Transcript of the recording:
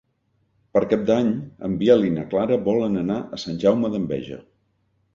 Per Cap d'Any en Biel i na Clara volen anar a Sant Jaume d'Enveja.